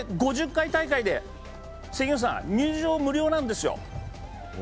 ５０回大会で、入場無料なんですよ。